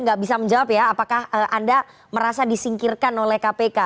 nggak bisa menjawab ya apakah anda merasa disingkirkan oleh kpk